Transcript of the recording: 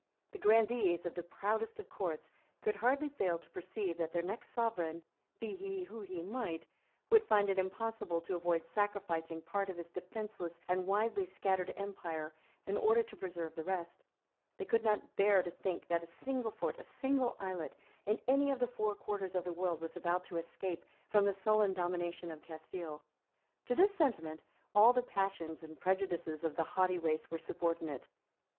The grandees of the proudest of Courts could hardly fail to perceive that their next sovereign, be he who he might, would find it impossible to avoid sacrificing part of his defenceless and widely scattered empire in order to preserve the rest; they could not bear to think that a single fort, a single islet, in any of the four quarters of the world was about to escape from the sullen domination of Castile. To this sentiment all the passions and prejudices of the haughty race were subordinate.